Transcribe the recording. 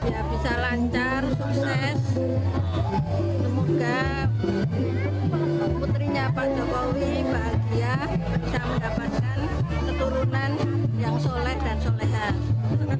ya bisa lancar sukses semoga putrinya pak jokowi bahagia bisa mendapatkan keturunan yang soleh dan solehan